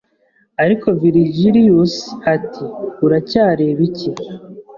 Ariko Virgilius ati Uracyareba iki